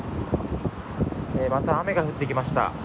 また雨が降ってきました。